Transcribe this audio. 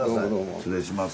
失礼します。